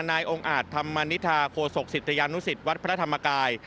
นายองค์อาจธรรมนิษฐาโคศกศิษยานุสิตวัดพระธรรมกาย